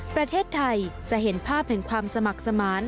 ประเทศไทยจะเห็นภาพแห่งความสมัครสมาน